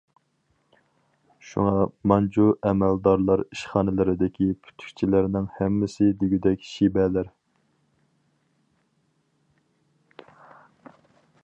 شۇڭا مانجۇ ئەمەلدارلار ئىشخانىلىرىدىكى پۈتۈكچىلەرنىڭ ھەممىسى دېگۈدەك شىبەلەر.